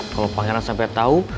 kalau pangeran sampe tau